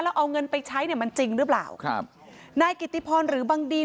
แล้วเอาเงินไปใช้เนี่ยมันจริงหรือเปล่าครับนายกิติพรหรือบังดีน